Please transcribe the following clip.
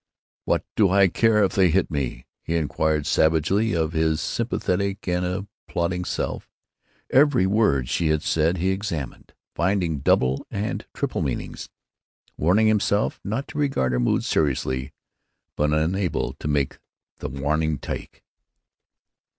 "What do I care if they hit me?" he inquired, savagely, of his sympathetic and applauding self. Every word she had said he examined, finding double and triple meanings, warning himself not to regard her mood seriously, but unable to make the warning take.